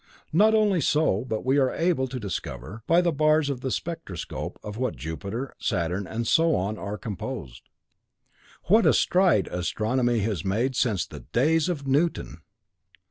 Not only so, but we are able to discover, by the bars in the spectroscope, of what Jupiter, Saturn, and so on are composed. What a stride astronomy has made since the days of Newton!"